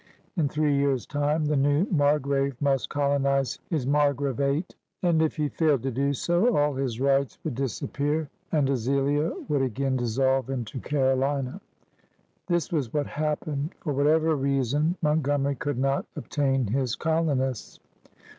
In three years' time the new Margrave must colonize his Margravate, and if he f aSed to do so, all his rights GEORGIA 2S5 would disappear and Azilia would again dissolve into Carolina. This was what happened. For whatever reason, Mountgomery could not obtain his colonists.